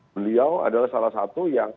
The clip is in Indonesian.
beliau adalah salah satu yang